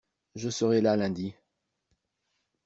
Je serai là lundi.